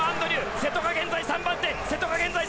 瀬戸は現在３番手。